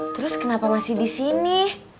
terus kenapa masih disini